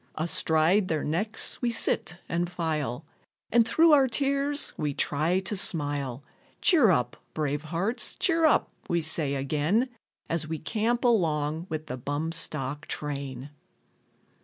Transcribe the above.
Astride their necks, we sit and file, And through our tears, we try to smile. Cheer up, brave hearts, cheer up, we say again, As we camp along with the bum stock train.